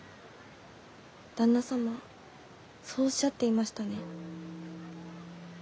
旦那様そうおっしゃっていましたね？